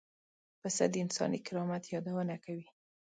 پسه د انساني کرامت یادونه کوي.